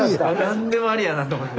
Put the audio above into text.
なんでもありやなと思って。